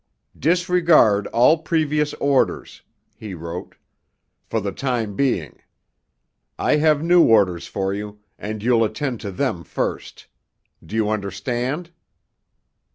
"Disregard all previous orders," he wrote, "for the time being. I have new orders for you, and you'll attend to them first. Do you understand?"